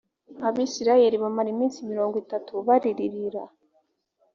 abisirayeli bamara iminsi mirongo itatu bariririra